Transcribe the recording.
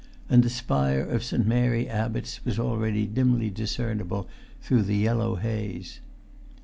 And the spire of St. Mary Abbot's was already dimly discernible through the yellow haze.